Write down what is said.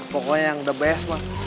pokoknya yang the best